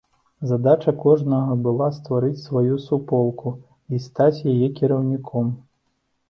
Задача кожнага была стварыць сваю суполку, і стаць яе кіраўніком.